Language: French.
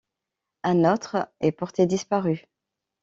Un autre est porté disparu.